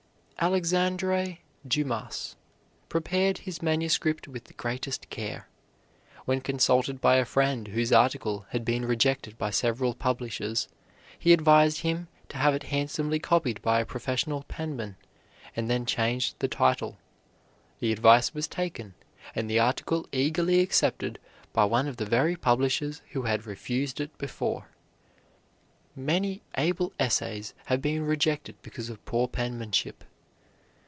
Alexandre Dumas prepared his manuscript with the greatest care. When consulted by a friend whose article had been rejected by several publishers, he advised him to have it handsomely copied by a professional penman, and then change the title. The advice was taken, and the article eagerly accepted by one of the very publishers who had refused it before. Many able essays have been rejected because of poor penmanship.